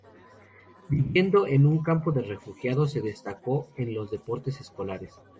Viviendo en un campo de refugiados, se destacó en los deportes escolares.